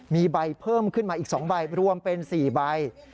มีใบเพิ่มขึ้นมาอีก๒ใบรวมเป็น๔ใบ